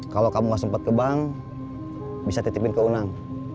kalau kamu gak sempat ke bank bisa titipin ke unang